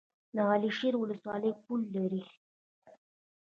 د علي شیر ولسوالۍ پوله لري